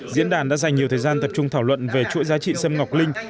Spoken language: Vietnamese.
diễn đàn đã dành nhiều thời gian tập trung thảo luận về chuỗi giá trị sâm ngọc linh